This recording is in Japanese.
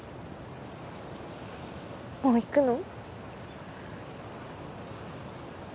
もう行くの？